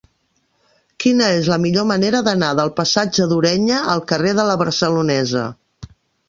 Quina és la millor manera d'anar del passatge d'Ureña al carrer de La Barcelonesa?